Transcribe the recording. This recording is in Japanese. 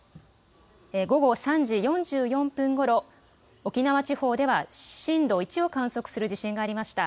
午後３時４４分ごろ沖縄地方では震度１を観測する地震がありました。